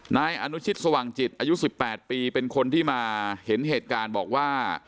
นายอนุชิตสว่างจิตอายุ๑๘ปีเป็นคนที่มาเห็นเหตุการณ์บอกว่า